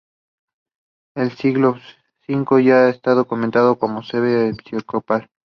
En el siglo V ya está documentada como sede episcopal.